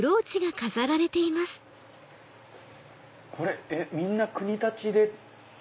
これみんな国立で。